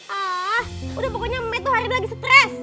ah udah pokoknya me meto hari ini lagi stres